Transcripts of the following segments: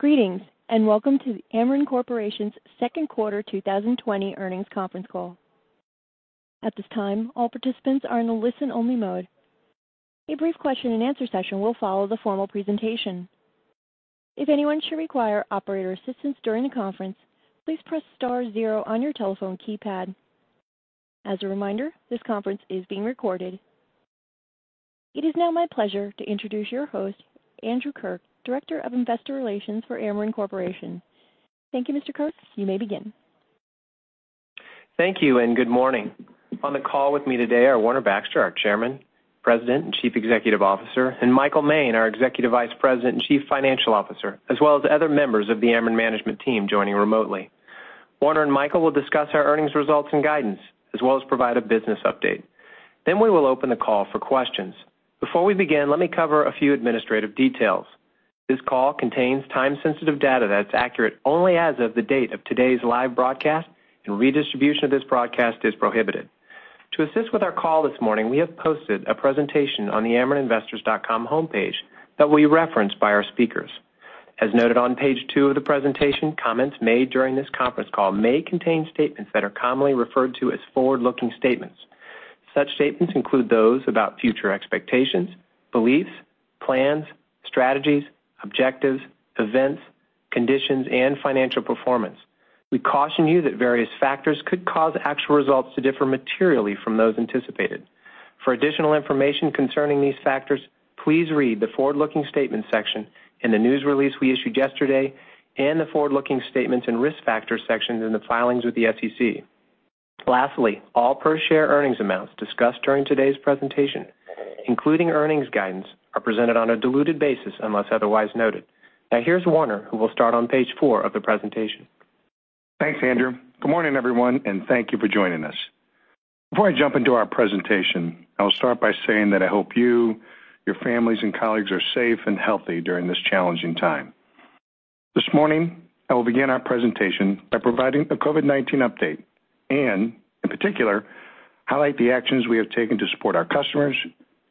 Greetings, and welcome to Ameren Corporation's second quarter 2020 earnings conference call. It is now my pleasure to introduce your host, Andrew Kirk, Director of Investor Relations for Ameren Corporation. Thank you, Mr. Kirk. You may begin. Thank you. Good morning. On the call with me today are Warner Baxter, our Chairman, President, and Chief Executive Officer, and Michael Moehn, our Executive Vice President and Chief Financial Officer, as well as other members of the Ameren management team joining remotely. Warner and Michael will discuss our earnings results and guidance, as well as provide a business update. We will open the call for questions. Before we begin, let me cover a few administrative details. This call contains time-sensitive data that's accurate only as of the date of today's live broadcast, and redistribution of this broadcast is prohibited. To assist with our call this morning, we have posted a presentation on the amereninvestors.com homepage that will be referenced by our speakers. As noted on page two of the presentation, comments made during this conference call may contain statements that are commonly referred to as forward-looking statements. Such statements include those about future expectations, beliefs, plans, strategies, objectives, events, conditions, and financial performance. We caution you that various factors could cause actual results to differ materially from those anticipated. For additional information concerning these factors, please read the Forward-Looking Statements section in the news release we issued yesterday and the Forward-Looking Statements and Risk Factors sections in the filings with the SEC. Lastly, all per-share earnings amounts discussed during today's presentation, including earnings guidance, are presented on a diluted basis unless otherwise noted. Now here's Warner, who will start on page four of the presentation. Thanks, Andrew. Good morning, everyone, and thank you for joining us. Before I jump into our presentation, I will start by saying that I hope you, your families, and colleagues are safe and healthy during this challenging time. This morning, I will begin our presentation by providing a COVID-19 update and, in particular, highlight the actions we have taken to support our customers,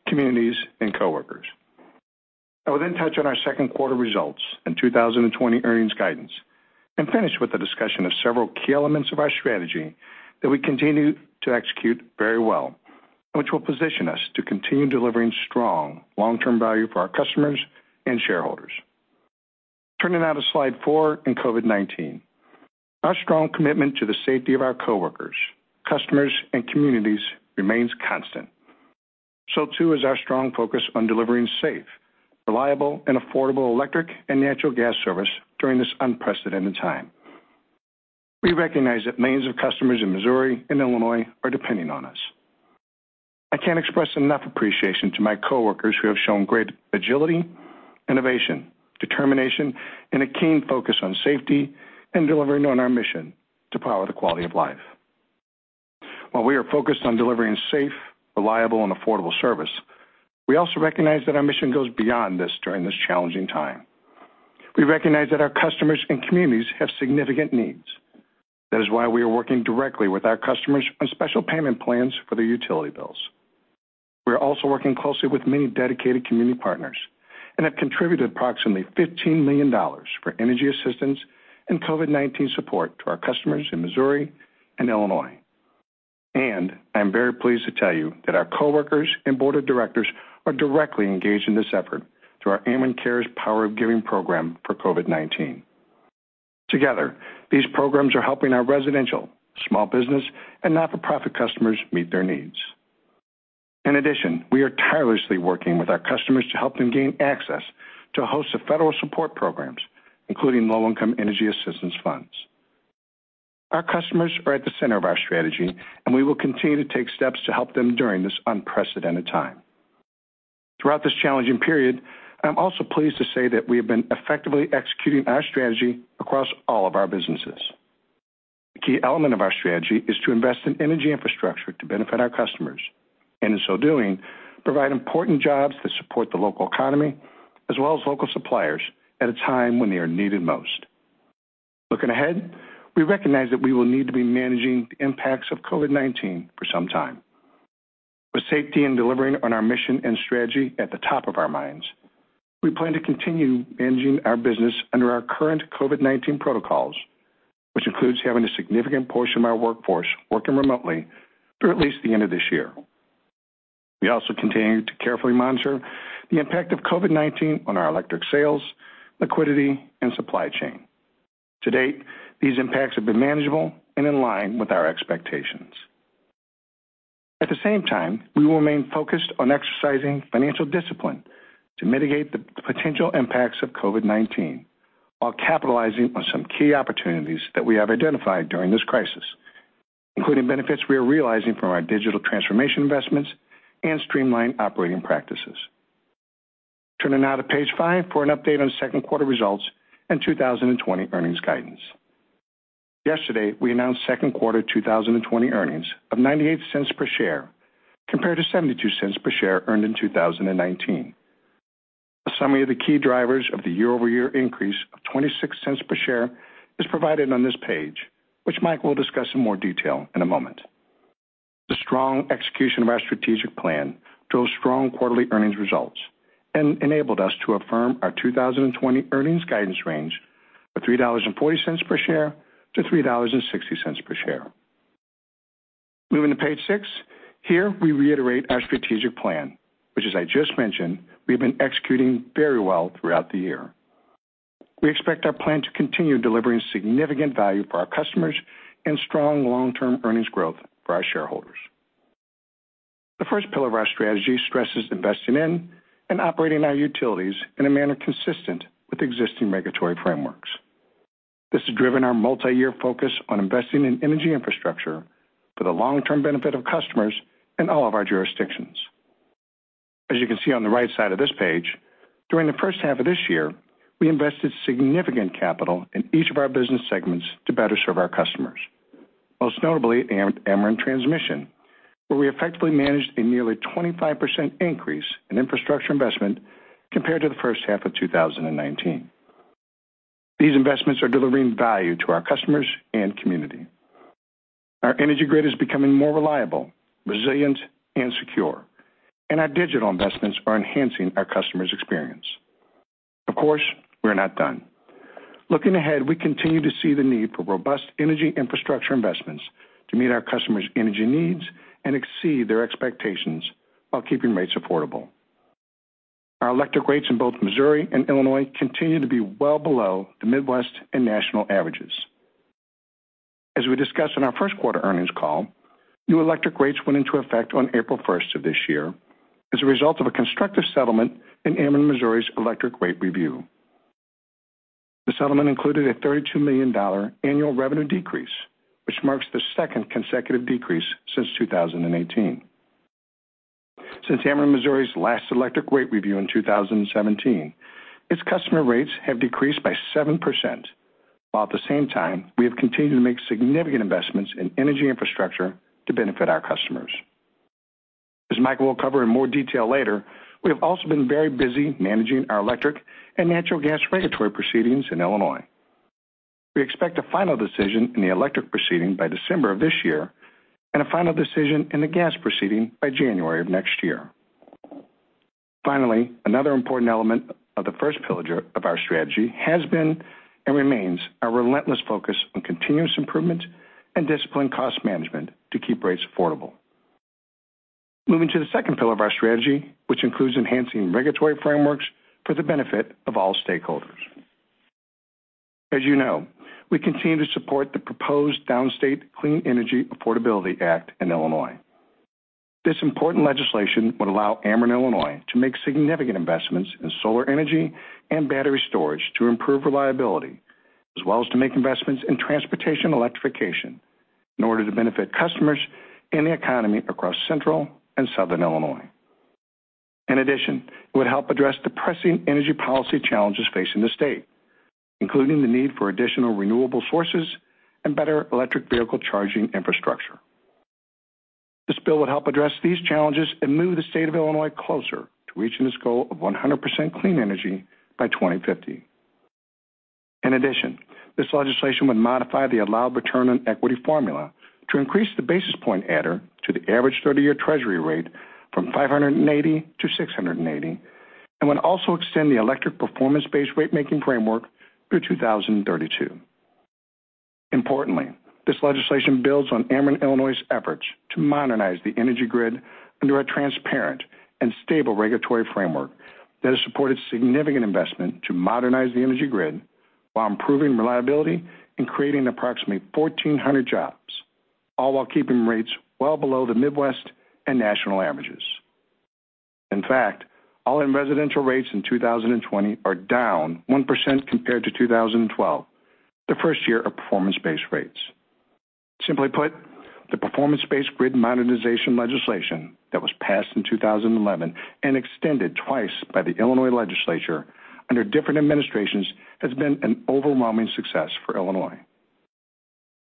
communities, and coworkers. I will then touch on our second quarter results and 2020 earnings guidance and finish with a discussion of several key elements of our strategy that we continue to execute very well, which will position us to continue delivering strong long-term value for our customers and shareholders. Turning now to slide four and COVID-19. Our strong commitment to the safety of our coworkers, customers, and communities remains constant. Too, is our strong focus on delivering safe, reliable, and affordable electric and natural gas service during this unprecedented time. We recognize that millions of customers in Missouri and Illinois are depending on us. I can't express enough appreciation to my coworkers who have shown great agility, innovation, determination, and a keen focus on safety and delivering on our mission to power the quality of life. While we are focused on delivering safe, reliable, and affordable service, we also recognize that our mission goes beyond this during this challenging time. We recognize that our customers and communities have significant needs. That is why we are working directly with our customers on special payment plans for their utility bills. We are also working closely with many dedicated community partners and have contributed approximately $15 million for energy assistance and COVID-19 support to our customers in Missouri and Illinois. I am very pleased to tell you that our coworkers and board of directors are directly engaged in this effort through our Ameren Cares Power of Giving program for COVID-19. Together, these programs are helping our residential, small business, and not-for-profit customers meet their needs. In addition, we are tirelessly working with our customers to help them gain access to a host of federal support programs, including low-income energy assistance funds. Our customers are at the center of our strategy, and we will continue to take steps to help them during this unprecedented time. Throughout this challenging period, I am also pleased to say that we have been effectively executing our strategy across all of our businesses. A key element of our strategy is to invest in energy infrastructure to benefit our customers and, in so doing, provide important jobs that support the local economy as well as local suppliers at a time when they are needed most. Looking ahead, we recognize that we will need to be managing the impacts of COVID-19 for some time. With safety and delivering on our mission and strategy at the top of our minds, we plan to continue managing our business under our current COVID-19 protocols, which includes having a significant portion of our workforce working remotely through at least the end of this year. We also continue to carefully monitor the impact of COVID-19 on our electric sales, liquidity, and supply chain. To date, these impacts have been manageable and in line with our expectations. At the same time, we will remain focused on exercising financial discipline to mitigate the potential impacts of COVID-19 while capitalizing on some key opportunities that we have identified during this crisis, including benefits we are realizing from our digital transformation investments and streamlined operating practices. Turning now to page five for an update on second quarter results and 2020 earnings guidance. Yesterday, we announced second quarter 2020 earnings of $0.98 per share compared to $0.72 per share earned in 2019. A summary of the key drivers of the year-over-year increase of $0.26 per share is provided on this page, which Mike will discuss in more detail in a moment. The strong execution of our strategic plan drove strong quarterly earnings results and enabled us to affirm our 2020 earnings guidance range of $3.40 per share to $3.60 per share. Moving to page six. Here, we reiterate our strategic plan, which as I just mentioned, we have been executing very well throughout the year. We expect our plan to continue delivering significant value for our customers and strong long-term earnings growth for our shareholders. The first pillar of our strategy stresses investing in and operating our utilities in a manner consistent with existing regulatory frameworks. This has driven our multi-year focus on investing in energy infrastructure for the long-term benefit of customers in all of our jurisdictions. As you can see on the right side of this page, during the first half of this year, we invested significant capital in each of our business segments to better serve our customers. Most notably Ameren Transmission, where we effectively managed a nearly 25% increase in infrastructure investment compared to the first half of 2019. These investments are delivering value to our customers and community. Our energy grid is becoming more reliable, resilient, and secure, and our digital investments are enhancing our customers' experience. Of course, we're not done. Looking ahead, we continue to see the need for robust energy infrastructure investments to meet our customers' energy needs and exceed their expectations while keeping rates affordable. Our electric rates in both Missouri and Illinois continue to be well below the Midwest and national averages. As we discussed in our first quarter earnings call, new electric rates went into effect on April 1st of this year as a result of a constructive settlement in Ameren Missouri's electric rate review. The settlement included a $32 million annual revenue decrease, which marks the second consecutive decrease since 2018. Since Ameren Missouri's last electric rate review in 2017, its customer rates have decreased by 7%, while at the same time, we have continued to make significant investments in energy infrastructure to benefit our customers. As Michael will cover in more detail later, we have also been very busy managing our electric and natural gas regulatory proceedings in Illinois. We expect a final decision in the electric proceeding by December of this year and a final decision in the gas proceeding by January of next year. Finally, another important element of the first pillar of our strategy has been and remains our relentless focus on continuous improvement and disciplined cost management to keep rates affordable. Moving to the second pillar of our strategy, which includes enhancing regulatory frameworks for the benefit of all stakeholders. As you know, we continue to support the proposed Clean and Reliable Grid Affordability Act in Illinois. This important legislation would allow Ameren Illinois to make significant investments in solar energy and battery storage to improve reliability, as well as to make investments in transportation electrification in order to benefit customers and the economy across central and southern Illinois. It would help address the pressing energy policy challenges facing the state, including the need for additional renewable sources and better electric vehicle charging infrastructure. This bill would help address these challenges and move the state of Illinois closer to reaching its goal of 100% clean energy by 2050. This legislation would modify the allowed return on equity formula to increase the basis point adder to the average 30-year Treasury rate from 580 to 680 and would also extend the electric performance-based rate making framework through 2032. Importantly, this legislation builds on Ameren Illinois' efforts to modernize the energy grid under a transparent and stable regulatory framework that has supported significant investment to modernize the energy grid while improving reliability and creating approximately 1,400 jobs, all while keeping rates well below the Midwest and national averages. In fact, all in residential rates in 2020 are down 1% compared to 2012, the first year of performance-based rates. Simply put, the Performance-Based Grid Modernization Legislation that was passed in 2011 and extended twice by the Illinois legislature under different administrations has been an overwhelming success for Illinois.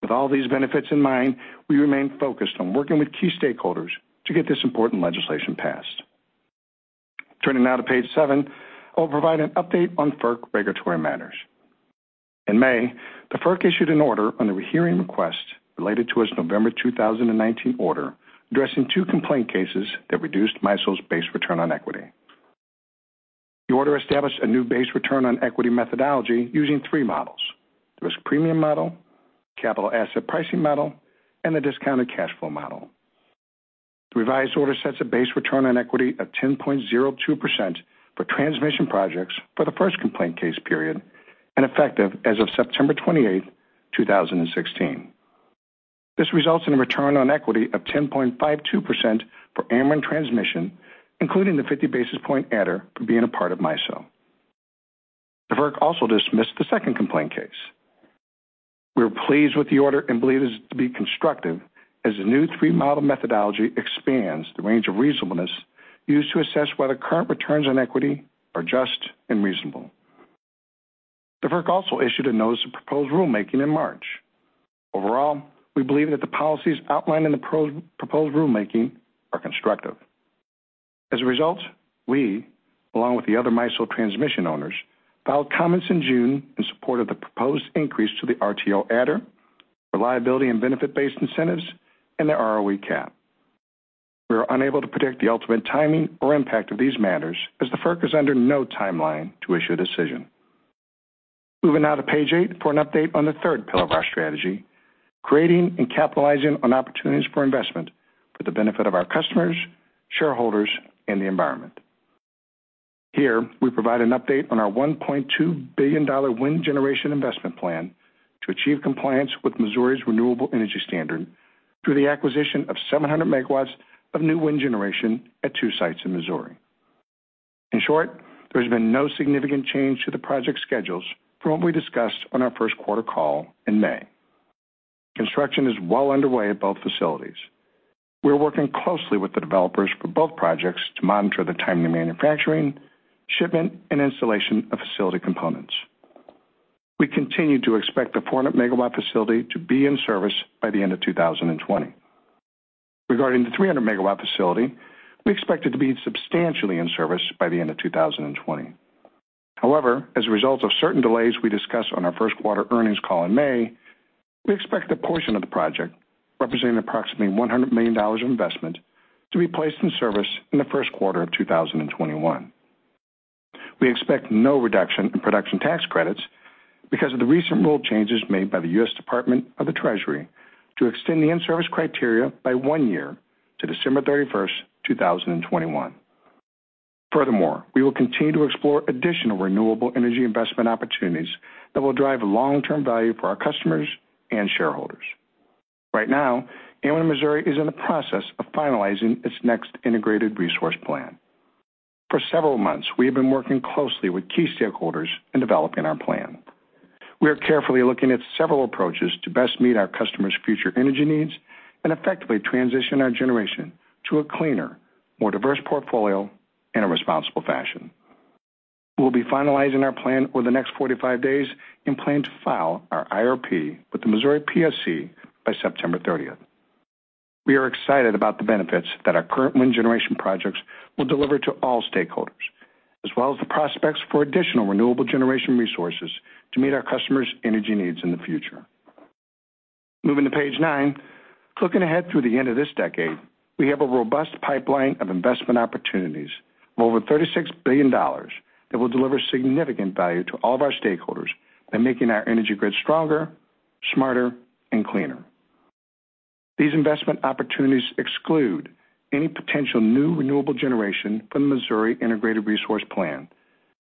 With all these benefits in mind, we remain focused on working with key stakeholders to get this important legislation passed. Turning now to page seven, I'll provide an update on FERC regulatory matters. In May, the FERC issued an order on a rehearing request related to its November 2019 order addressing two complaint cases that reduced MISO's base return on equity. The order established a new base return on equity methodology using three models, the risk premium model, capital asset pricing model, and the discounted cash flow model. The revised order sets a base return on equity of 10.02% for transmission projects for the first complaint case period and effective as of September 28th, 2016. This results in a return on equity of 10.52% for Ameren Transmission, including the 50 basis point adder for being a part of MISO. The FERC also dismissed the second complaint case. We are pleased with the order and believe it to be constructive as the new three-model methodology expands the range of reasonableness used to assess whether current returns on equity are just and reasonable. The FERC also issued a notice of proposed rulemaking in March. Overall, we believe that the policies outlined in the proposed rulemaking are constructive. We, along with the other MISO transmission owners, filed comments in June in support of the proposed increase to the RTO adder, reliability and benefit-based incentives, and the ROE cap. We are unable to predict the ultimate timing or impact of these matters, as the FERC is under no timeline to issue a decision. Moving now to page eight for an update on the third pillar of our strategy: creating and capitalizing on opportunities for investment for the benefit of our customers, shareholders, and the environment. Here, we provide an update on our $1.2 billion wind generation investment plan to achieve compliance with Missouri's renewable energy standard through the acquisition of 700 MW of new wind generation at two sites in Missouri. In short, there has been no significant change to the project schedules from what we discussed on our first quarter call in May. Construction is well underway at both facilities. We are working closely with the developers for both projects to monitor the timely manufacturing, shipment, and installation of facility components. We continue to expect the 400 MW facility to be in service by the end of 2020. Regarding the 300 MW facility, we expect it to be substantially in service by the end of 2020. However, as a result of certain delays we discussed on our first quarter earnings call in May, we expect a portion of the project, representing approximately $100 million of investment, to be placed in service in the first quarter of 2021. We expect no reduction in production tax credits because of the recent rule changes made by the U.S. Department of the Treasury to extend the in-service criteria by one year to December 31st, 2021. Furthermore, we will continue to explore additional renewable energy investment opportunities that will drive long-term value for our customers and shareholders. Right now, Ameren Missouri is in the process of finalizing its next integrated resource plan. For several months, we have been working closely with key stakeholders in developing our plan. We are carefully looking at several approaches to best meet our customers' future energy needs and effectively transition our generation to a cleaner, more diverse portfolio in a responsible fashion. We'll be finalizing our plan over the next 45 days and plan to file our IRP with the Missouri PSC by September 30th. We are excited about the benefits that our current wind generation projects will deliver to all stakeholders, as well as the prospects for additional renewable generation resources to meet our customers' energy needs in the future. Moving to page nine. Looking ahead through the end of this decade, we have a robust pipeline of investment opportunities of over $36 billion that will deliver significant value to all of our stakeholders by making our energy grid stronger, smarter, and cleaner. These investment opportunities exclude any potential new renewable generation from the Missouri Integrated Resource Plan,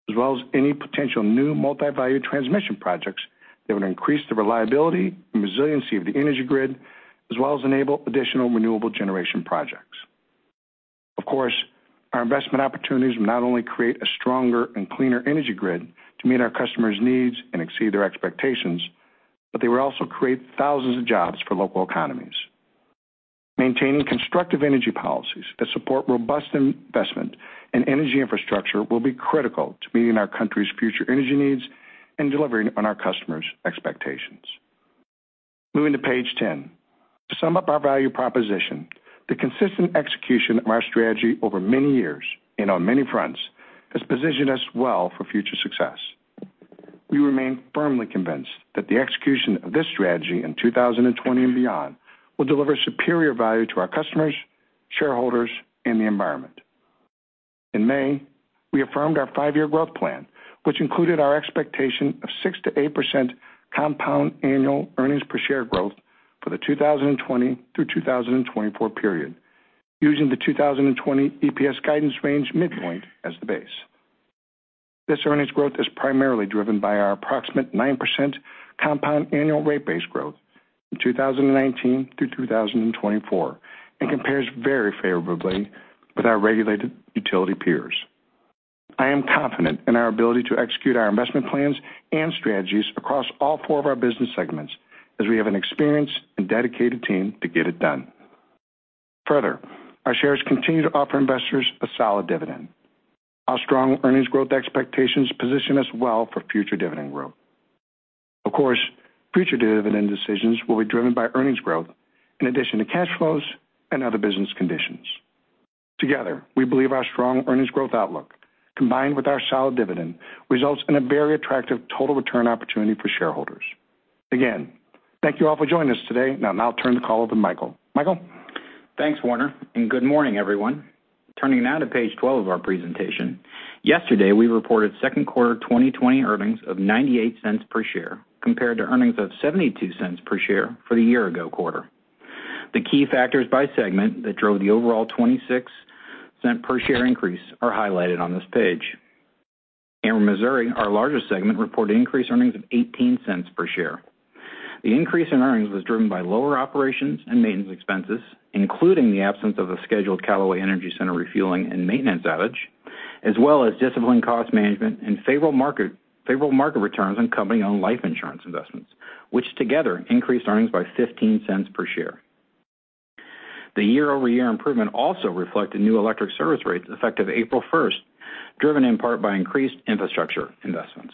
as well as any potential new multi-value transmission projects that would increase the reliability and resiliency of the energy grid, as well as enable additional renewable generation projects. Of course, our investment opportunities will not only create a stronger and cleaner energy grid to meet our customers' needs and exceed their expectations, but they will also create thousands of jobs for local economies. Maintaining constructive energy policies that support robust investment in energy infrastructure will be critical to meeting our country's future energy needs and delivering on our customers' expectations. Moving to page 10. To sum up our value proposition, the consistent execution of our strategy over many years and on many fronts has positioned us well for future success. We remain firmly convinced that the execution of this strategy in 2020 and beyond will deliver superior value to our customers, shareholders, and the environment. In May, we affirmed our five-year growth plan, which included our expectation of 6%-8% compound annual earnings per share growth for the 2020 through 2024 period, using the 2020 EPS guidance range midpoint as the base. This earnings growth is primarily driven by our approximate 9% compound annual rate base growth from 2019 through 2024 and compares very favorably with our regulated utility peers. I am confident in our ability to execute our investment plans and strategies across all four of our business segments as we have an experienced and dedicated team to get it done. Further, our shares continue to offer investors a solid dividend. Our strong earnings growth expectations position us well for future dividend growth. Of course, future dividend decisions will be driven by earnings growth in addition to cash flows and other business conditions. Together, we believe our strong earnings growth outlook, combined with our solid dividend, results in a very attractive total return opportunity for shareholders. Again, thank you all for joining us today. I'll now turn the call over to Michael. Michael? Thanks, Warner. Good morning, everyone. Turning now to page 12 of our presentation. Yesterday, we reported second quarter 2020 earnings of $0.98 per share, compared to earnings of $0.72 per share for the year ago quarter. The key factors by segment that drove the overall $0.26 per share increase are highlighted on this page. Ameren Missouri, our largest segment, reported increased earnings of $0.18 per share. The increase in earnings was driven by lower operations and maintenance expenses, including the absence of the scheduled Callaway Energy Center refueling and maintenance outage, as well as disciplined cost management and favorable market returns on company-owned life insurance investments, which together increased earnings by $0.15 per share. The year-over-year improvement also reflected new electric service rates effective April 1st, driven in part by increased infrastructure investments.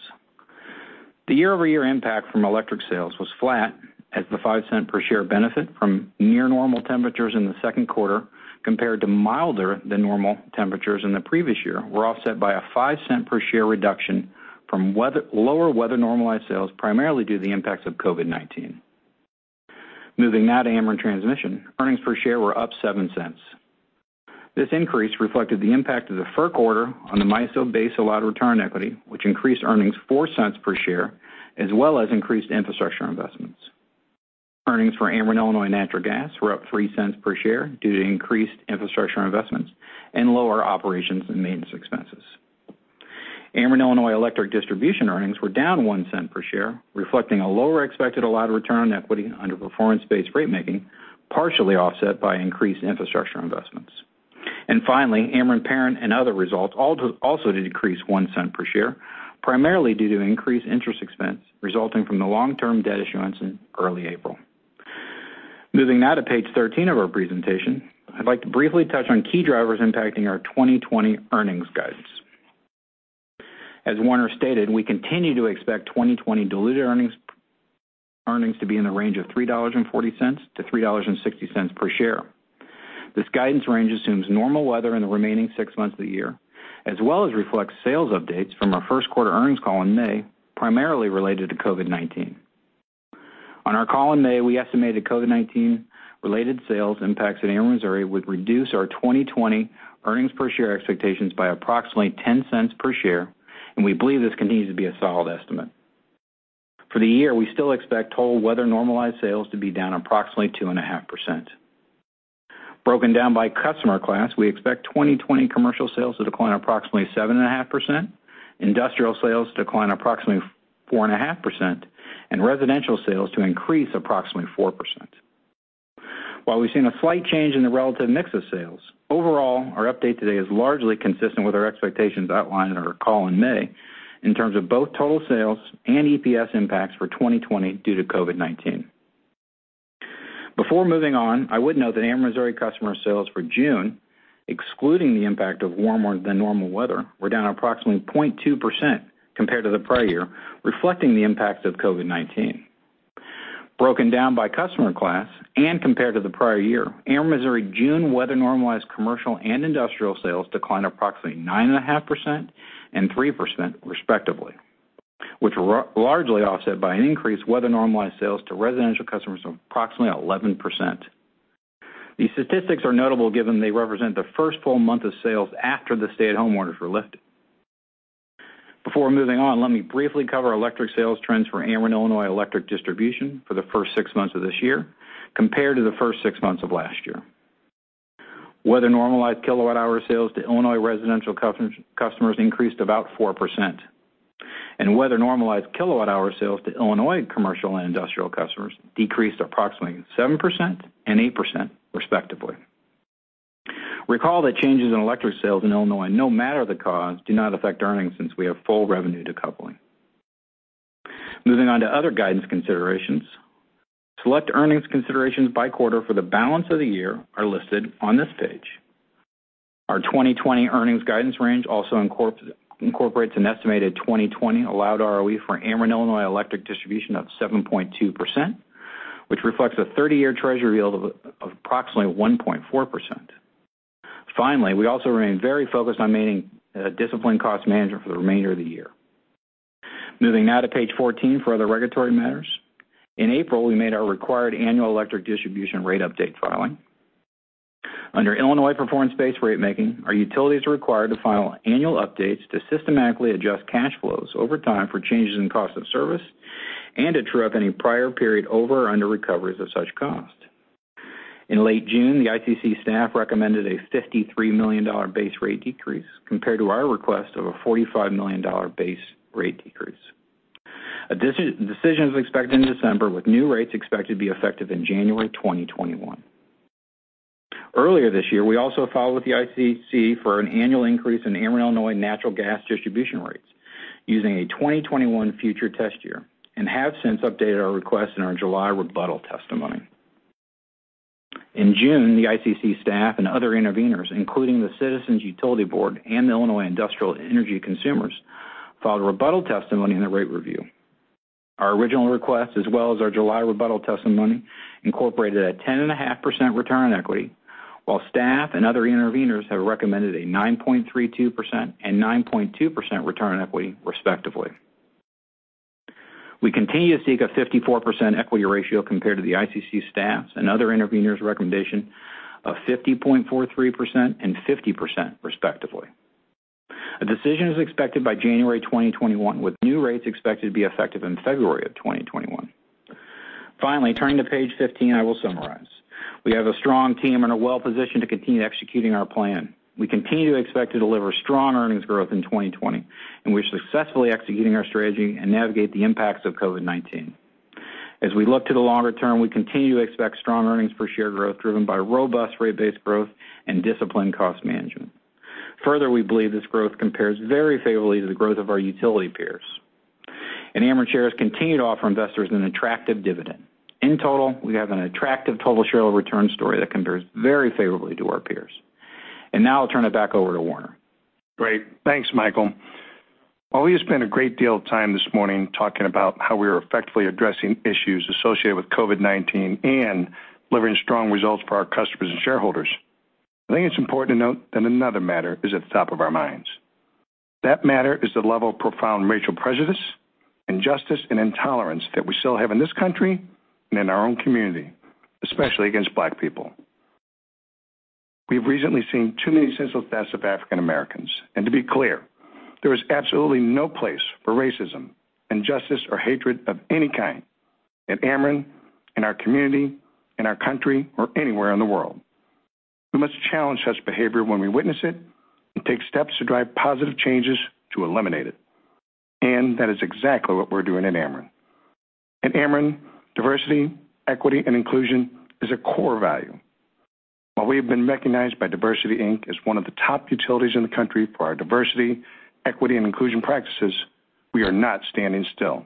The year-over-year impact from electric sales was flat as the $0.05 per share benefit from near normal temperatures in the second quarter compared to milder than normal temperatures in the previous year were offset by a $0.05 per share reduction from lower weather normalized sales, primarily due to the impacts of COVID-19. Moving now to Ameren Transmission. Earnings per share were up $0.07. This increase reflected the impact of the FERC order on the MISO base allowed return on equity, which increased earnings $0.04 per share, as well as increased infrastructure investments. Earnings for Ameren Illinois Natural Gas were up $0.03 per share due to increased infrastructure investments and lower operations and maintenance expenses. Ameren Illinois Electric Distribution earnings were down $0.01 per share, reflecting a lower expected allowed return on equity under performance-based rate making, partially offset by increased infrastructure investments. Finally, Ameren Parent and other results also decreased $0.01 per share, primarily due to increased interest expense resulting from the long-term debt issuance in early April. Moving now to page 13 of our presentation, I'd like to briefly touch on key drivers impacting our 2020 earnings guidance. As Warner stated, we continue to expect 2020 diluted earnings to be in the range of $3.40-$3.60 per share. This guidance range assumes normal weather in the remaining six months of the year, as well as reflects sales updates from our first quarter earnings call in May, primarily related to COVID-19. On our call in May, we estimated COVID-19-related sales impacts at Ameren Missouri would reduce our 2020 earnings per share expectations by approximately $0.10 per share, and we believe this continues to be a solid estimate. For the year, we still expect total weather normalized sales to be down approximately 2.5%. Broken down by customer class, we expect 2020 commercial sales to decline approximately 7.5%, industrial sales to decline approximately 4.5%, and residential sales to increase approximately 4%. While we've seen a slight change in the relative mix of sales, overall, our update today is largely consistent with our expectations outlined in our call in May in terms of both total sales and EPS impacts for 2020 due to COVID-19. Before moving on, I would note that Ameren Missouri customer sales for June, excluding the impact of warmer-than-normal weather, were down approximately 0.2% compared to the prior year, reflecting the impacts of COVID-19. Broken down by customer class and compared to the prior year, Ameren Missouri June weather normalized commercial and industrial sales declined approximately 9.5% and 3%, respectively, which were largely offset by an increase in weather-normalized sales to residential customers of approximately 11%. These statistics are notable given they represent the first full month of sales after the stay-at-home orders were lifted. Before moving on, let me briefly cover electric sales trends for Ameren Illinois Electric Distribution for the first six months of this year compared to the first six months of last year. Weather-normalized kilowatt-hour sales to Illinois residential customers increased about 4%, and weather-normalized kilowatt-hour sales to Illinois commercial and industrial customers decreased approximately 7% and 8%, respectively. Recall that changes in electric sales in Illinois, no matter the cause, do not affect earnings since we have full revenue decoupling. Moving on to other guidance considerations. Select earnings considerations by quarter for the balance of the year are listed on this page. Our 2020 earnings guidance range also incorporates an estimated 2020 allowed ROE for Ameren Illinois Electric Distribution of 7.2%, which reflects a 30-year treasury yield of approximately 1.4%. Finally, we also remain very focused on maintaining a disciplined cost management for the remainder of the year. Moving now to page 14 for other regulatory matters. In April, we made our required annual electric distribution rate update filing. Under Illinois performance-based rate making, our utilities are required to file annual updates to systematically adjust cash flows over time for changes in cost of service and to true-up any prior period over or under recoveries of such cost. In late June, the ICC staff recommended a $53 million base rate decrease compared to our request of a $45 million base rate decrease. A decision is expected in December, with new rates expected to be effective in January 2021. Earlier this year, we also filed with the ICC for an annual increase in Ameren Illinois Natural Gas distribution rates using a 2021 future test year and have since updated our request in our July rebuttal testimony. In June, the ICC staff and other interveners, including the Citizens Utility Board and the Illinois Industrial Energy Consumers, filed a rebuttal testimony in the rate review. Our original request, as well as our July rebuttal testimony, incorporated a 10.5% return on equity, while staff and other interveners have recommended a 9.32% and 9.2% return on equity, respectively. We continue to seek a 54% equity ratio compared to the ICC staff's and other interveners' recommendation of 50.43% and 50%, respectively. A decision is expected by January 2021, with new rates expected to be effective in February of 2021. Finally, turning to page 15, I will summarize. We have a strong team and are well-positioned to continue executing our plan. We continue to expect to deliver strong earnings growth in 2020, and we're successfully executing our strategy and navigate the impacts of COVID-19. As we look to the longer term, we continue to expect strong earnings per share growth driven by robust rate base growth and disciplined cost management. We believe this growth compares very favorably to the growth of our utility peers. Ameren shares continue to offer investors an attractive dividend. In total, we have an attractive total shareholder return story that compares very favorably to our peers. Now I'll turn it back over to Warner. Great. Thanks, Michael. While we have spent a great deal of time this morning talking about how we are effectively addressing issues associated with COVID-19 and delivering strong results for our customers and shareholders, I think it's important to note that another matter is at the top of our minds. That matter is the level of profound racial prejudice, injustice, and intolerance that we still have in this country and in our own community, especially against Black people. We've recently seen too many senseless deaths of African Americans. To be clear, there is absolutely no place for racism, injustice, or hatred of any kind at Ameren, in our community, in our country, or anywhere in the world. We must challenge such behavior when we witness it and take steps to drive positive changes to eliminate it, and that is exactly what we're doing at Ameren. At Ameren, diversity, equity, and inclusion is a core value. While we have been recognized by DiversityInc as one of the top utilities in the country for our diversity, equity, and inclusion practices, we are not standing still.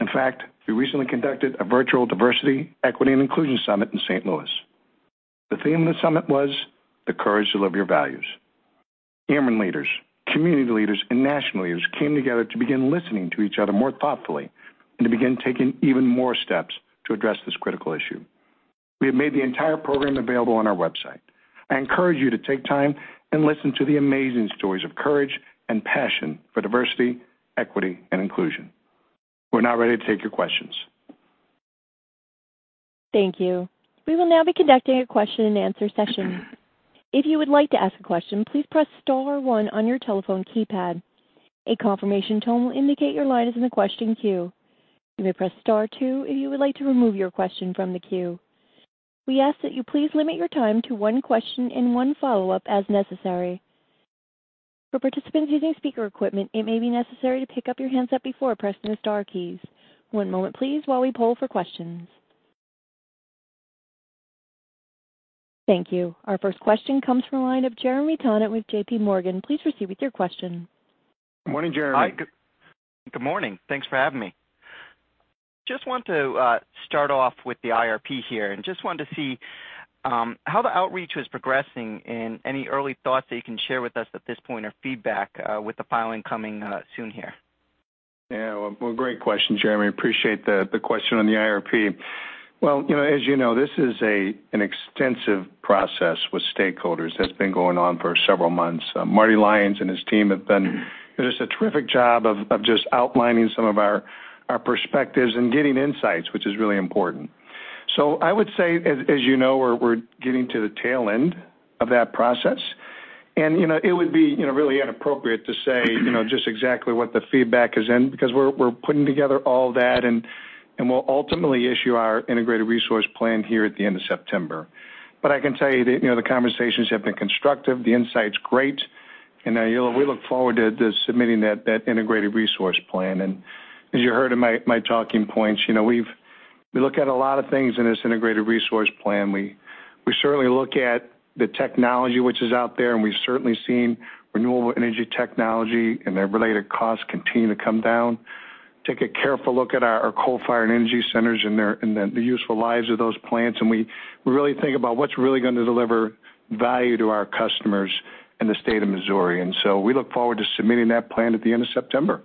In fact, we recently conducted a virtual diversity, equity, and inclusion summit in St. Louis. The theme of the summit was The Courage to Live Your Values. Ameren leaders, community leaders, and national leaders came together to begin listening to each other more thoughtfully and to begin taking even more steps to address this critical issue. We have made the entire program available on our website. I encourage you to take time and listen to the amazing stories of courage and passion for diversity, equity, and inclusion. We're now ready to take your questions. Thank you. We will now be conducting a question and answer session. If you would like to ask a question, please press star one on your telephone keypad. A confirmation tone will indicate your line is in the question queue. You may press star two if you would like to remove your question from the queue. We ask that you please limit your time to one question and one follow-up as necessary. For participants using speaker equipment, it may be necessary to pick up your handset before pressing the star keys. One moment, please, while we poll for questions. Thank you, our first question comes from the line of Jeremy Tonet with JPMorgan. Please proceed with your question. Morning, Jeremy. Hi, good morning. Thanks for having me. Just want to start off with the IRP here and just wanted to see how the outreach was progressing and any early thoughts that you can share with us at this point or feedback with the filing coming soon here? Yeah, well, great question, Jeremy. Appreciate the question on the IRP. Well, as you know, this is an extensive process with stakeholders that's been going on for several months. Marty Lyons and his team have done just a terrific job of just outlining some of our perspectives and getting insights, which is really important. I would say, as you know, we're getting to the tail end of that process, and it would be really inappropriate to say just exactly what the feedback is in because we're putting together all that, and we'll ultimately issue our integrated resource plan here at the end of September. I can tell you that the conversations have been constructive, the insight's great, and we look forward to submitting that integrated resource plan. As you heard in my talking points, we look at a lot of things in this integrated resource plan. We certainly look at the technology which is out there. We've certainly seen renewable energy technology and their related costs continue to come down. Take a careful look at our coal-fired energy centers and the useful lives of those plants. We really think about what's really going to deliver value to our customers in the state of Missouri. We look forward to submitting that plan at the end of September.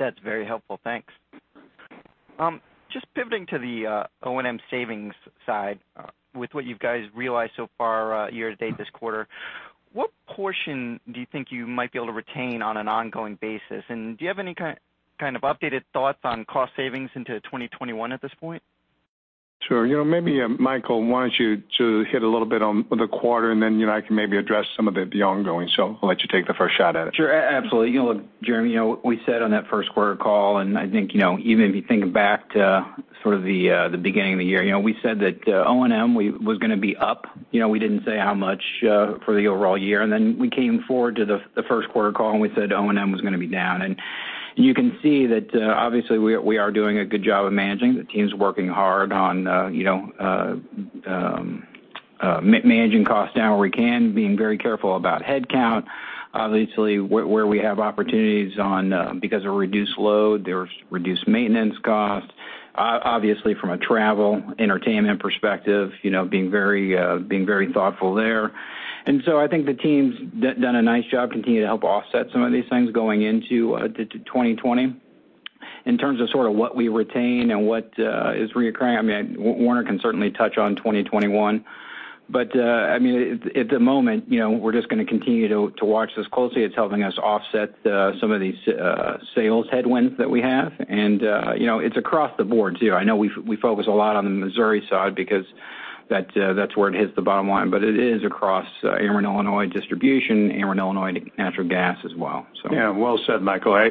That's very helpful. Thanks. Just pivoting to the O&M savings side with what you guys realized so far year to date this quarter, what portion do you think you might be able to retain on an ongoing basis? Do you have any kind of updated thoughts on cost savings into 2021 at this point? Sure. Maybe, Michael, why don't you hit a little bit on the quarter, and then I can maybe address some of the ongoing. I'll let you take the first shot at it. Sure, absolutely. Jeremy, what we said on that first quarter call, and I think even if you think back to sort of the beginning of the year, we said that O&M was going to be up. We didn't say how much for the overall year. We came forward to the first quarter call, and we said O&M was going to be down. You can see that obviously we are doing a good job of managing. The team's working hard on managing costs down where we can, being very careful about headcount. Obviously, where we have opportunities on because of reduced load, there's reduced maintenance costs. Obviously, from a travel, entertainment perspective, being very thoughtful there. I think the team's done a nice job continuing to help offset some of these things going into 2020. In terms of what we retain and what is reoccurring, Warner can certainly touch on 2021. We're just going to continue to watch this closely. It's helping us offset some of these sales headwinds that we have. It's across the board, too. I know we focus a lot on the Missouri side because that's where it hits the bottom line, but it is across Ameren Illinois Electric Distribution, Ameren Illinois Natural Gas as well. Well said, Michael.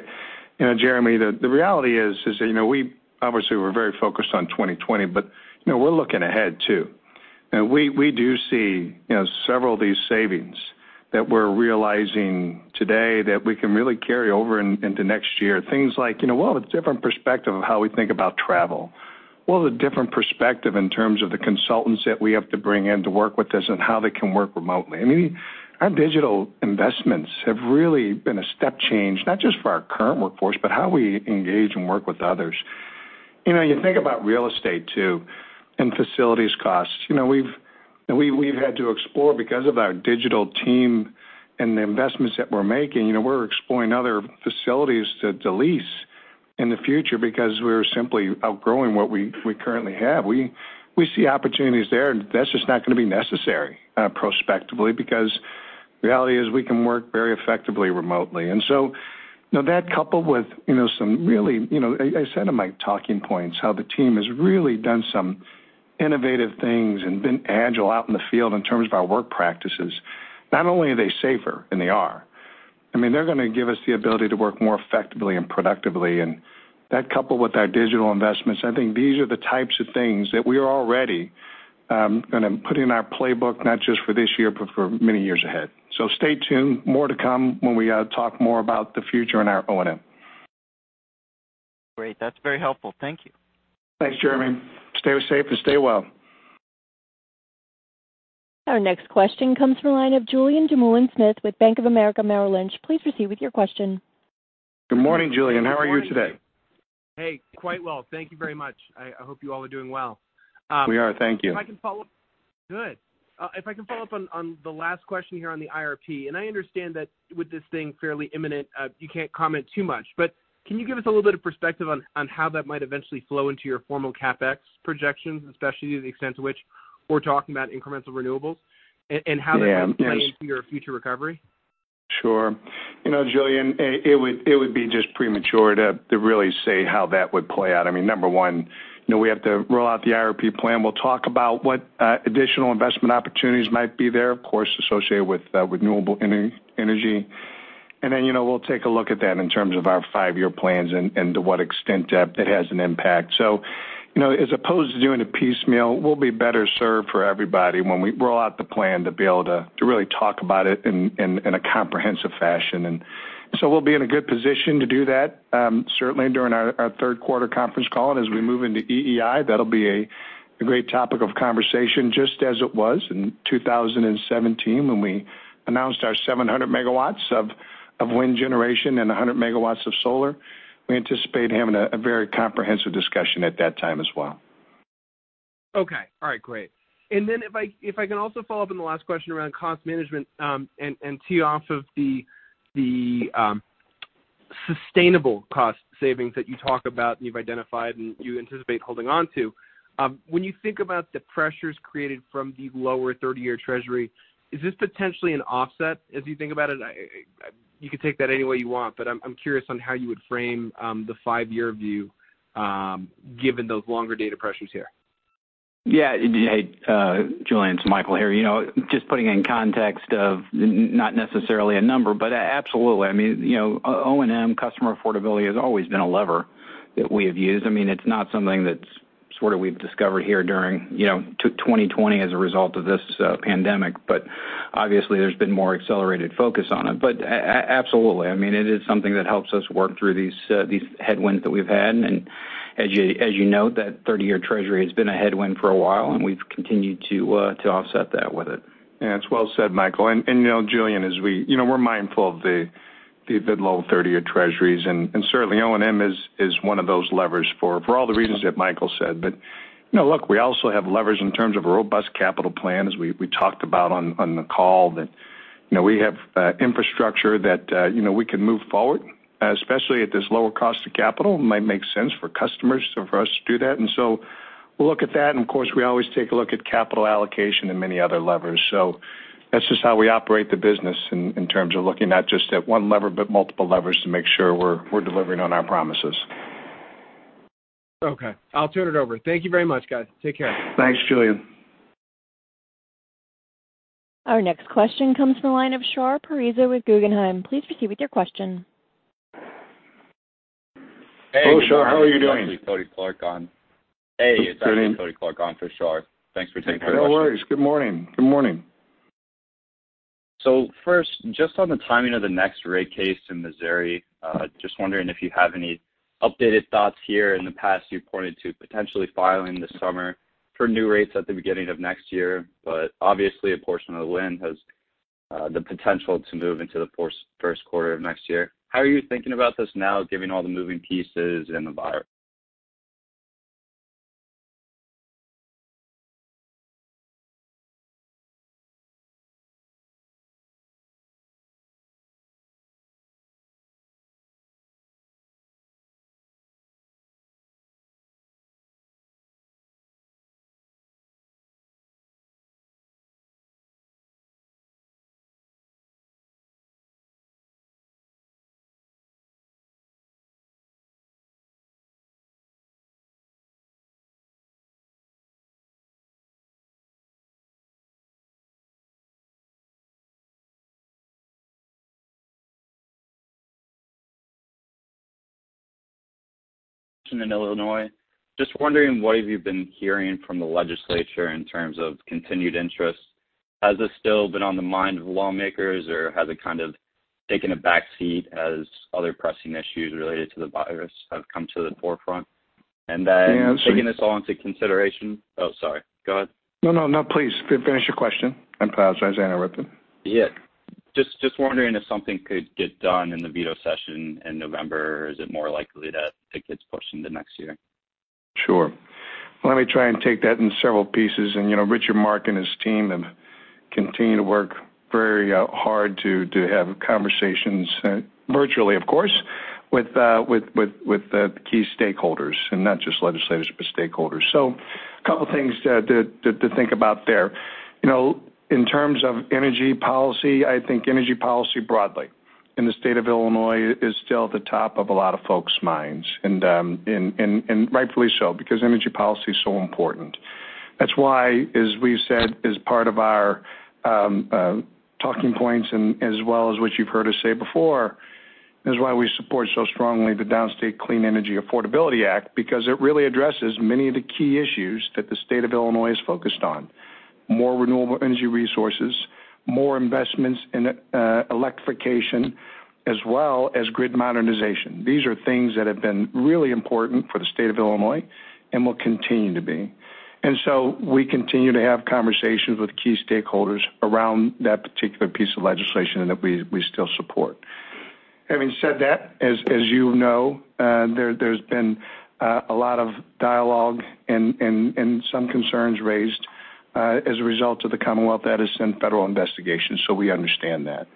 Jeremy, the reality is that we obviously were very focused on 2020, but we're looking ahead, too. We do see several of these savings that we're realizing today that we can really carry over into next year. Things like, well, it's a different perspective of how we think about travel. Well, the different perspective in terms of the consultants that we have to bring in to work with us and how they can work remotely. Our digital investments have really been a step change, not just for our current workforce, but how we engage and work with others. You think about real estate too, and facilities costs. We've had to explore, because of our digital team and the investments that we're making, we're exploring other facilities to lease in the future because we're simply outgrowing what we currently have. We see opportunities there, and that's just not going to be necessary prospectively, because the reality is we can work very effectively remotely. That coupled with some really I said in my talking points how the team has really done some innovative things and been agile out in the field in terms of our work practices. Not only are they safer, and they are, they're going to give us the ability to work more effectively and productively. That coupled with our digital investments, I think these are the types of things that we are already going to put in our playbook, not just for this year, but for many years ahead. Stay tuned. More to come when we talk more about the future in our O&M. Great. That's very helpful. Thank you. Thanks, Jeremy. Stay safe and stay well. Our next question comes from the line of Julien Dumoulin-Smith with Bank of America Merrill Lynch. Please proceed with your question. Good morning, Julien. How are you today? Hey, quite well. Thank you very much. I hope you all are doing well. We are, thank you. Good. If I can follow up on the last question here on the IRP, and I understand that with this thing fairly imminent, you can't comment too much, but can you give us a little bit of perspective on how that might eventually flow into your formal CapEx projections, especially to the extent to which we're talking about incremental renewables? Yeah. How that might play into your future recovery? Sure. Julien, it would be just premature to really say how that would play out. Number one, we have to roll out the IRP plan. We'll talk about what additional investment opportunities might be there, of course, associated with renewable energy. We'll take a look at that in terms of our five-year plans and to what extent it has an impact. As opposed to doing a piecemeal, we'll be better served for everybody when we roll out the plan to be able to really talk about it in a comprehensive fashion. We'll be in a good position to do that, certainly during our third quarter conference call. As we move into EEI, that'll be a great topic of conversation, just as it was in 2017 when we announced our 700 MW of wind generation and 100 MW of solar. We anticipate having a very comprehensive discussion at that time as well. Okay. All right, great. If I can also follow up on the last question around cost management, and tee off of the sustainable cost savings that you talk about and you've identified and you anticipate holding onto. When you think about the pressures created from the lower 30-year treasury, is this potentially an offset as you think about it? You can take that any way you want, but I'm curious on how you would frame the five-year view, given those longer data pressures here. Yeah. Hey, Julien, it's Michael here. Just putting it in context of not necessarily a number, but absolutely. O&M customer affordability has always been a lever that we have used. It's not something that we've discovered here during 2020 as a result of this pandemic, but obviously there's been more accelerated focus on it. Absolutely, it is something that helps us work through these headwinds that we've had, and as you note, that third of your Treasury has been a headwind for a while, and we've continued to offset that with it. Yeah. It's well said, Michael. Julien, we're mindful of the mid-level third of your treasuries, and certainly O&M is one of those levers for all the reasons that Michael said. Look, we also have leverage in terms of a robust capital plan, as we talked about on the call. We have infrastructure that we can move forward, especially at this lower cost of capital. It might make sense for customers, so for us to do that. We'll look at that, and of course, we always take a look at capital allocation and many other levers. That's just how we operate the business in terms of looking not just at one lever but multiple levers to make sure we're delivering on our promises. Okay. I'll turn it over. Thank you very much, guys. Take care. Thanks, Julien. Our next question comes from the line of Shar Pariza with Guggenheim. Please proceed with your question. Hello, Shar. How are you doing? Hey, it's actually Kody Clark on for Shar. Thanks for taking my question. No worries. Good morning. Good morning. First, just on the timing of the next rate case in Missouri, just wondering if you have any updated thoughts here. In the past, you pointed to potentially filing this summer for new rates at the beginning of next year, but obviously a portion of the wind has the potential to move into the first quarter of next year. How are you thinking about this now, given all the moving pieces and the virus? In Illinois, just wondering what have you been hearing from the legislature in terms of continued interest? Has this still been on the mind of lawmakers, or has it kind of taken a back seat as other pressing issues related to the virus have come to the forefront? Yeah, I'm sorry. taking this all into consideration. Oh, sorry. Go ahead. No, please. Finish your question. I apologize. I interrupted. Yeah. Just wondering if something could get done in the veto session in November, or is it more likely that it gets pushed into next year? Sure. Let me try and take that in several pieces. Richard Mark and his team have continued to work very hard to have conversations, virtually, of course, with the key stakeholders, not just legislators, but stakeholders. A couple of things to think about there. In terms of energy policy, I think energy policy broadly in the state of Illinois is still at the top of a lot of folks' minds, and rightfully so, because energy policy is so important. That's why, as we've said, as part of our talking points and as well as what you've heard us say before, is why we support so strongly the Clean and Reliable Grid Affordability Act, because it really addresses many of the key issues that the state of Illinois is focused on. More renewable energy resources, more investments in electrification, as well as grid modernization. These are things that have been really important for the state of Illinois and will continue to be. We continue to have conversations with key stakeholders around that particular piece of legislation that we still support. Having said that, as you know, there's been a lot of dialogue and some concerns raised as a result of the Commonwealth Edison federal investigation, so we understand that.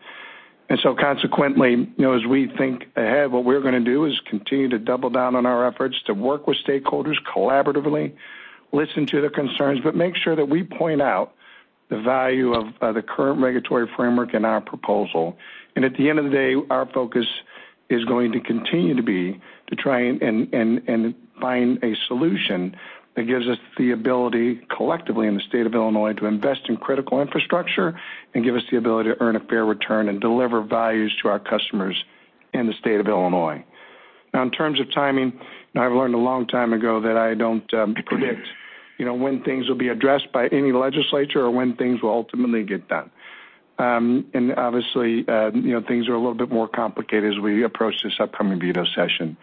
Consequently, as we think ahead, what we're going to do is continue to double down on our efforts to work with stakeholders collaboratively, listen to their concerns, but make sure that we point out the value of the current regulatory framework and our proposal. At the end of the day, our focus is going to continue to be to try and find a solution that gives us the ability, collectively in the state of Illinois, to invest in critical infrastructure and give us the ability to earn a fair return and deliver values to our customers in the state of Illinois. In terms of timing, I've learned a long time ago that I don't predict when things will be addressed by any legislature or when things will ultimately get done. Obviously, things are a little bit more complicated as we approach this upcoming veto session.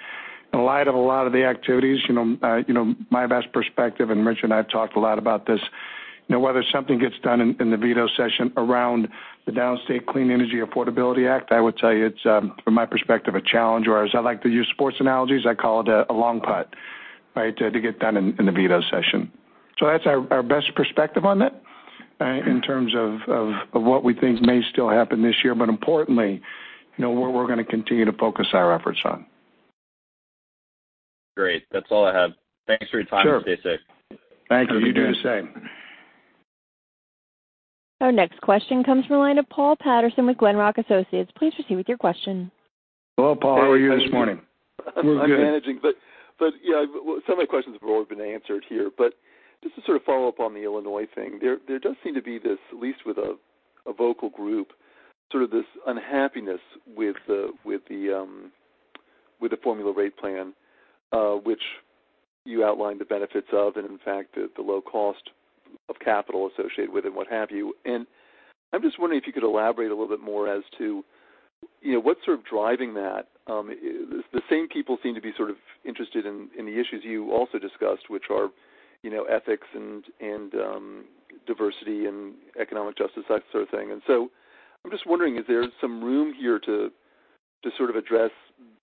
In light of a lot of the activities, my best perspective, and Rich and I have talked a lot about this, whether something gets done in the veto session around the Clean and Reliable Grid Affordability Act, I would tell you it's, from my perspective, a challenge, or as I like to use sports analogies, I call it a long putt to get done in the veto session. That's our best perspective on that in terms of what we think may still happen this year, but importantly, where we're going to continue to focus our efforts on. Great. That's all I have. Thanks for your time. Sure. Stay safe. Thank you. You do the same. Our next question comes from the line of Paul Patterson with Glenrock Associates. Please proceed with your question. Hello, Paul. How are you this morning? I'm managing. Yeah, some of my questions have already been answered here, but just to sort of follow up on the Illinois thing. There does seem to be this, at least with a vocal group, sort of this unhappiness with the formula rate plan, which you outlined the benefits of and in fact, the low cost of capital associated with it, and what have you. I'm just wondering if you could elaborate a little bit more as to what's sort of driving that. The same people seem to be sort of interested in the issues you also discussed, which are ethics and diversity and economic justice, that sort of thing. I'm just wondering, is there some room here to sort of address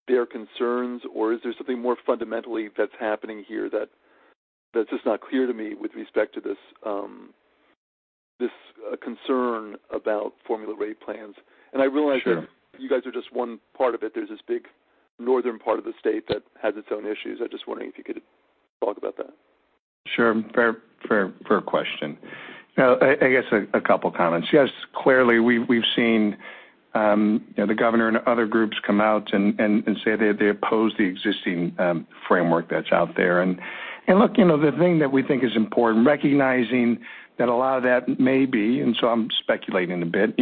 their concerns or is there something more fundamentally that's happening here that's just not clear to me with respect to this concern about formula rate plans? Sure You guys are just one part of it. There's this big northern part of the state that has its own issues. I'm just wondering if you could talk about that. Sure. Fair question. I guess a couple of comments. Yes, clearly, we've seen the governor and other groups come out and say that they oppose the existing framework that's out there. Look, the thing that we think is important, recognizing that a lot of that may be, and so I'm speculating a bit,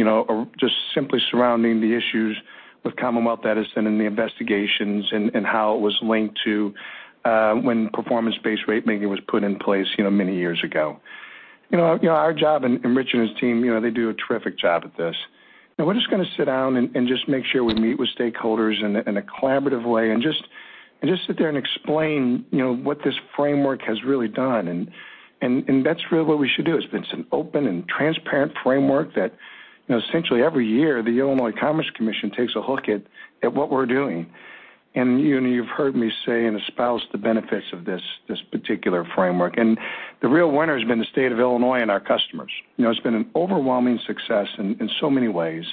just simply surrounding the issues with Commonwealth Edison and the investigations and how it was linked to when performance-based rate making was put in place many years ago. Our job, and Rich and his team, they do a terrific job at this. We're just going to sit down and just make sure we meet with stakeholders in a collaborative way and just sit there and explain what this framework has really done, and that's really what we should do. It's an open and transparent framework that essentially every year, the Illinois Commerce Commission takes a look at what we're doing. You've heard me say and espouse the benefits of this particular framework. The real winner has been the state of Illinois and our customers. It's been an overwhelming success in so many ways.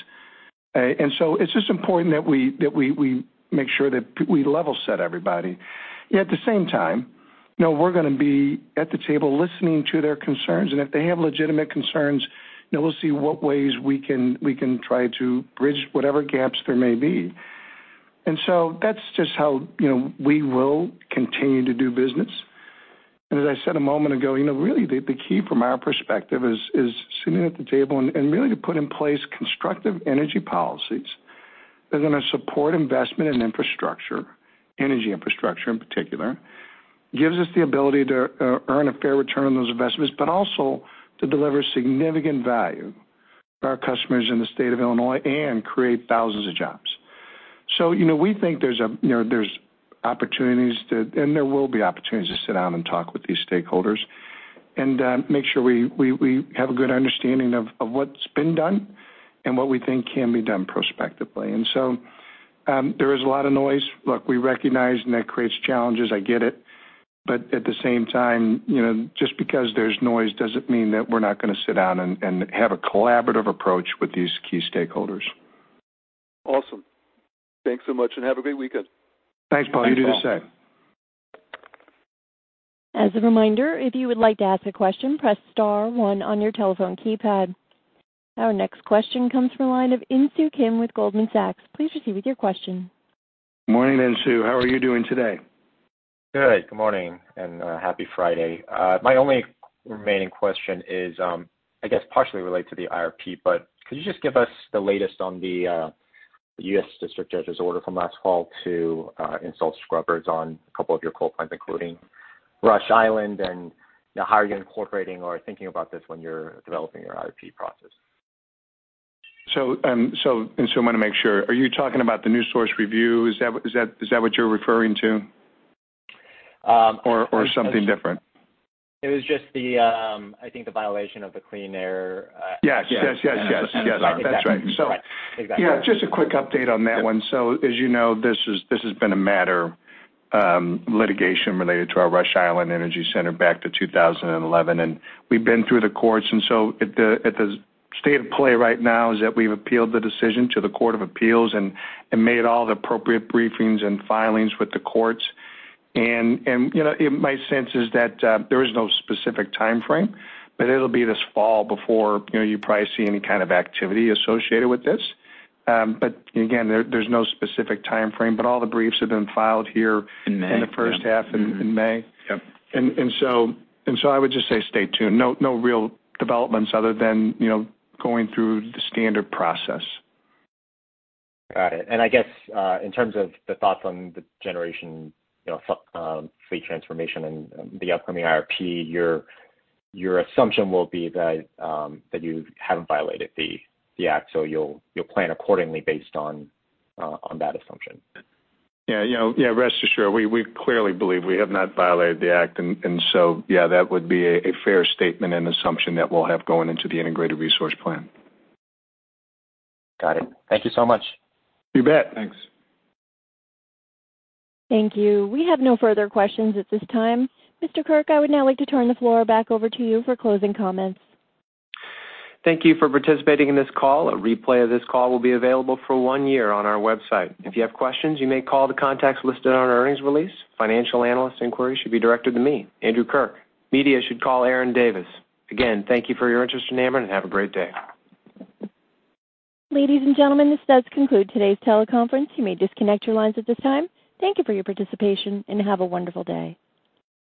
It's just important that we make sure that we level set everybody. At the same time, we're going to be at the table listening to their concerns, and if they have legitimate concerns, we'll see what ways we can try to bridge whatever gaps there may be. That's just how we will continue to do business. As I said a moment ago, really, the key from our perspective is sitting at the table and really to put in place constructive energy policies that are going to support investment in infrastructure, energy infrastructure in particular, gives us the ability to earn a fair return on those investments, but also to deliver significant value to our customers in the state of Illinois and create thousands of jobs. We think there's opportunities, and there will be opportunities to sit down and talk with these stakeholders and make sure we have a good understanding of what's been done and what we think can be done prospectively. There is a lot of noise. Look, we recognize, and that creates challenges. I get it. At the same time, just because there's noise doesn't mean that we're not going to sit down and have a collaborative approach with these key stakeholders. Awesome. Thanks so much and have a great weekend. Thanks, Paul. You do the same. As a reminder, if you would like to ask a question, press star one on your telephone keypad. Our next question comes from the line of Insu Kim with Goldman Sachs. Please proceed with your question. Morning, Insu. How are you doing today? Good morning and happy Friday. My only remaining question is, I guess partially related to the IRP, but could you just give us the latest on the U.S. district judge's order from last fall to install scrubbers on a couple of your coal plants, including Rush Island, and how are you incorporating or thinking about this when you're developing your IRP process? Insu, I want to make sure, are you talking about the New Source Review? Is that what you're referring to? Or something different? It was just I think the violation of the Clean Air- Yes. That's right. Exactly. Yeah. Just a quick update on that one. As you know, this has been a matter of litigation related to our Rush Island Energy Center back to 2011, and we've been through the courts. The state of play right now is that we've appealed the decision to the Court of Appeals and made all the appropriate briefings and filings with the courts. My sense is that there is no specific timeframe, but it'll be this fall before you probably see any kind of activity associated with this. Again, there's no specific timeframe, but all the briefs have been filed here. In May In the first half in May. Yep. I would just say stay tuned. No real developments other than going through the standard process. Got it. I guess, in terms of the thoughts on the generation fleet transformation and the upcoming IRP, your assumption will be that you haven't violated the act, so you'll plan accordingly based on that assumption. Yeah. Rest assured, we clearly believe we have not violated the Act. Yeah, that would be a fair statement and assumption that we'll have going into the integrated resource plan. Got it. Thank you so much. You bet. Thanks. Thank you. We have no further questions at this time. Mr. Kirk, I would now like to turn the floor back over to you for closing comments. Thank you for participating in this call. A replay of this call will be available for one year on our website. If you have questions, you may call the contacts listed on our earnings release. Financial analyst inquiries should be directed to me, Andrew Kirk. Media should call Aaron Davis. Again, thank you for your interest in Ameren, and have a great day. Ladies and gentlemen, this does conclude today's teleconference. You may disconnect your lines at this time. Thank you for your participation, and have a wonderful day.